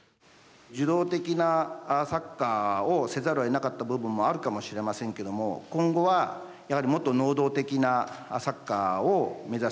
受動的なサッカーをせざるを得なかった部分もあるかもしれませんけど今後はもっと能動的なサッカーを目指す。